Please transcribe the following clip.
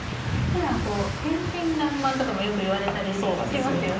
ふだん天真らんまんとかもよく言われたりしますよね